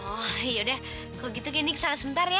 oh ya udah kalau gitu candy kesana sebentar ya